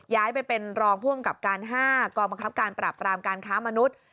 ย้ายไปเป็นรองผู้อำกับการ๕กองบังคับการปราบรามการค้ามนุษย์